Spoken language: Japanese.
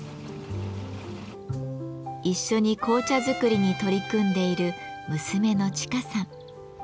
一緒に紅茶作りに取り組んでいる娘の千佳さん。